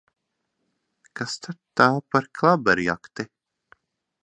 Kas tad tā par klaberjakti!